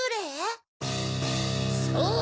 そう！